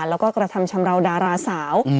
แล้วก็กระทำชำราวดาราสาว